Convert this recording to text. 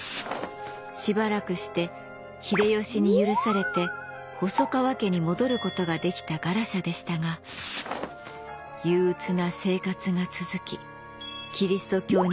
しばらくして秀吉に許されて細川家に戻ることができたガラシャでしたが憂鬱な生活が続きキリスト教にのめり込んでゆきます。